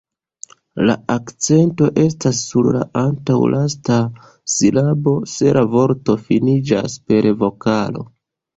La akcento estas sur la antaŭlasta silabo, se la vorto finiĝas per vokalo.